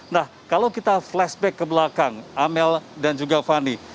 nah kalau kita flashback ke belakang amel dan juga fani